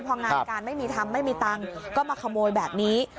พองานการไม่มีทำไม่มีตังค์ก็มาขโมยแบบนี้